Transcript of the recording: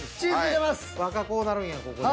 バカ濃うなるんやここで。